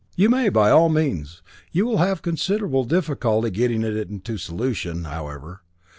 "You may, by all means. You will have considerable difficulty getting it into solution, however.